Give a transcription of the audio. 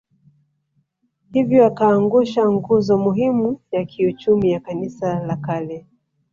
Hivyo akaangusha nguzo muhimu ya kiuchumi ya Kanisa la kale